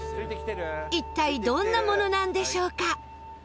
一体どんなものなんでしょうか？